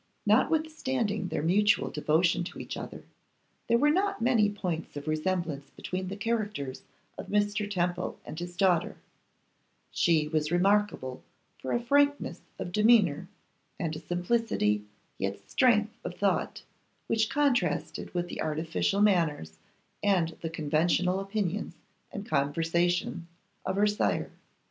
Notwithstanding their mutual devotion to each other, there were not many points of resemblance between the characters of Mr. Temple and his daughter; she was remarkable for a frankness of demeanour and a simplicity yet strength of thought which contrasted with the artificial manners and the conventional opinions and conversation of her sire.